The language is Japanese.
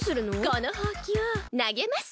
このほうきをなげます！